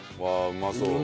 うまそう！